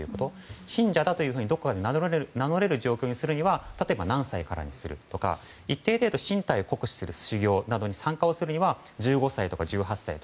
信者だということをどこかで名乗れる状況にするには何歳からにするとか一定程度身体を酷使する修行などに参加するには１５歳とか１８歳と